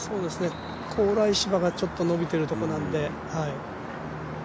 コウライ芝がちょっと伸びているところなので。